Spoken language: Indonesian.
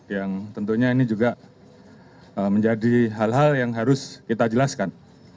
yang tentunya ini juga menjadi hal hal yang harus kita jelaskan